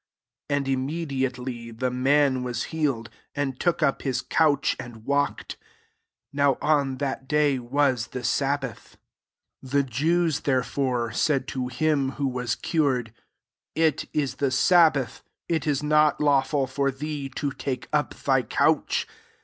9 And immediately, the man was healed, and took up his couch, and walked. Now on that day was the sabbath. . 10 The Jews, therefore, said to him who was cured, " It is the sabbath : it is not lawful for thee to take up thy couch."